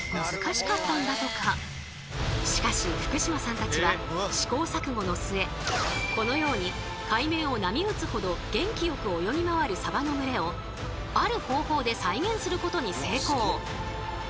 しかし福島さんたちは試行錯誤の末このように海面を波打つほど元気よく泳ぎ回るサバの群れをある方法で再現することに成功！